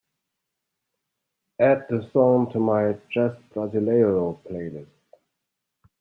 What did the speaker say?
Add the song to my jazz brasileiro playlist.